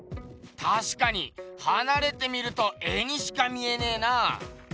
たしかにはなれて見ると絵にしか見えねえな。